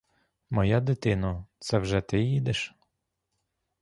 Моя дитино, це вже ти їдеш?!